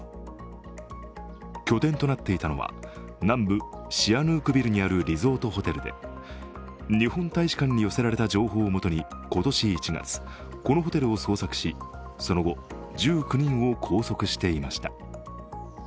拠点となっていたのは、南部シアヌークビルにあるリゾートホテルで日本大使館に寄せられた情報をもとに今年１月このホテルを捜索し、その後、１９人を拘束していました。